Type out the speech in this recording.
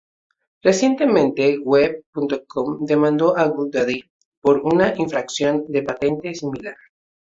Recientemente, Web.com demandó a "Go Daddy" por una infracción de patente similar.